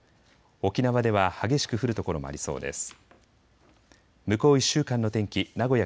沖縄では激しく降る所もありそうです。